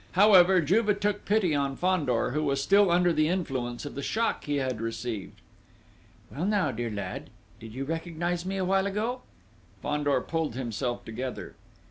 However, Juve took pity on Fandor, who was still under the influence of the shock he had received. "Well, now, dear lad, did you recognise me, a while ago?" Fandor pulled himself together.